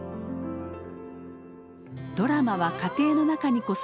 ドラマは家庭の中にこそある。